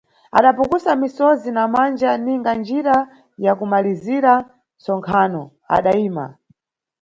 Adapukusa misozi na manja ninga njira ya kumalizira ntsonkhano, adaima.